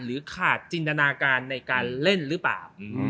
ขาดจินตนาการในการเล่นหรือเปล่า